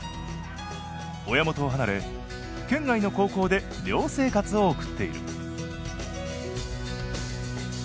親元を離れ県外の高校で寮生活を送っている。